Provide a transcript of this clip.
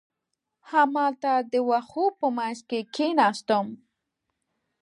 همالته د وښو په منځ کې کېناستم.